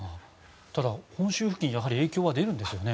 ただ、本州付近やはり影響は出るんですよね。